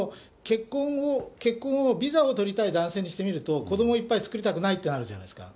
結婚をビザを取りたい男性にしてみると、子どもをいっぱい作りたくないってあるじゃないですか。